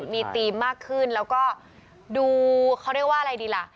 มีธีมมากขึ้นแล้วก็ดูเขาเรียกว่าอะไรดีล่ะ